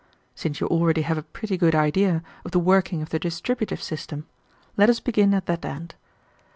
Since you already have a pretty good idea of the working of the distributive system, let us begin at that end.